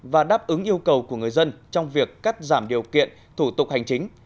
và đáp ứng yêu cầu của người dân trong việc cắt giảm điều kiện thủ tục hành chính